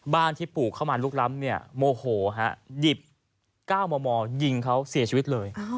บ้านที่ปลูกเข้ามาลุกล้ำโมโหดิบก้าวมอมอยิงเขาเสียชีวิตเลย